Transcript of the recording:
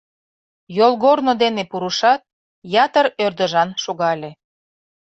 Йолгорно дене пурышат, ятыр ӧрдыжан шогале.